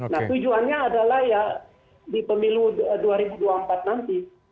nah tujuannya adalah ya di pemilu dua ribu dua puluh empat nanti